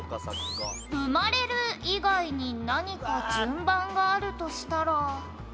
「うまれる以外に何か順番があるとしたら」